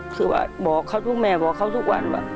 คือแม่บอกเขาทุกวันว่า